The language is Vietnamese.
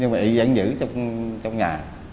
nhưng mà ị vẫn giữ trong trong nhà